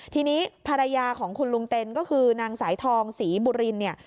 ทีนี้ภรรยาของคุณลุงเต็นก็คือนางสายทองศรีบุรินเนี่ย